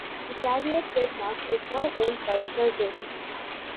The Karrier trademark is now owned by Peugeot.